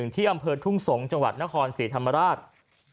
ที่อำเภอทุ่งสงศ์จังหวัดนครศรีธรรมราช